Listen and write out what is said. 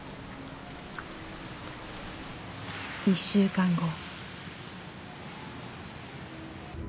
１週間後。